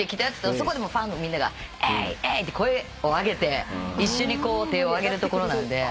そこでファンのみんなが「エイエイ！」声をあげて一緒に手をあげるところなんで。